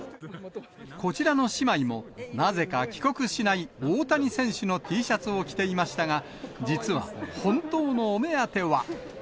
こちらの姉妹も、なぜか帰国しない大谷選手のＴシャツを着ていましたが、実は、本当のお目当ては。